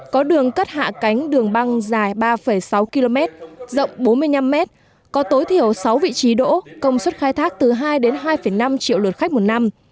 có đường cất hạ cánh đường băng dài ba sáu km rộng bốn mươi năm m có tối thiểu sáu vị trí đỗ công suất khai thác từ hai đến hai năm triệu lượt khách một năm